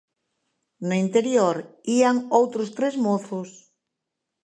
No interior ían outros tres mozos.